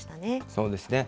そうですね。